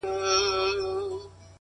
دا دی گيلاس چي تش کړؤ دغه دی توبه کومه _